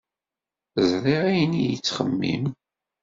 Ẓriɣ ayen ay yettxemmim.